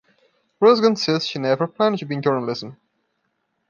Roesgen says she never planned to be in journalism.